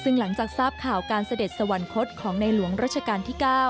ซึ่งหลังจากทราบข่าวการเสด็จสวรรคตของในหลวงรัชกาลที่๙